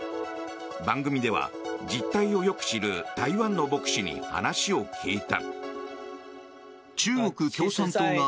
番組では、実態をよく知る台湾の牧師に話を聞いた。